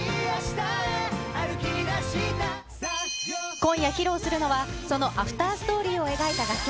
今夜披露するのは、そのアフターストーリーを描いた楽曲。